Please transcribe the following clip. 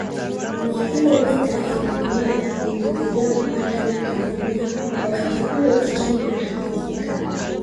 Ni hile vita ya Majimaji iliyopiganwa ndani ya Tanzania wakati huo ikiitwa Tanganyika